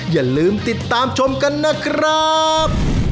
อย่าลืมติดตามชมกันนะครับ